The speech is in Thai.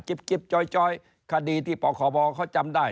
กิบกิบจอยจอยคดีที่ปคบเขาจำได้